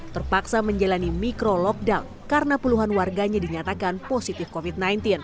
terpaksa menjalani micro lockdown karena puluhan warganya dinyatakan positif covid sembilan belas